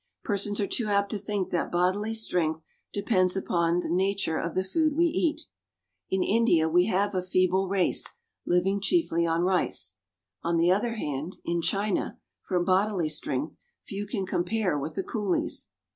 Persons are too apt to think that bodily strength depends upon the nature of the food we eat. In India we have a feeble race, living chiefly on rice. On the other hand, in China, for bodily strength, few can compare with the Coolies.